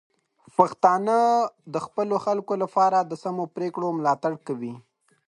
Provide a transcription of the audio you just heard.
پښتانه د خپلو خلکو لپاره د سمو پریکړو ملاتړ کوي.